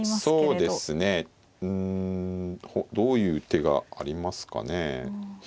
そうですねうんどういう手がありますかね。